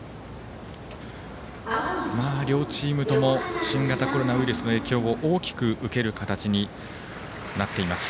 両チームとも新型コロナウイルスの影響を大きく受ける形になっています。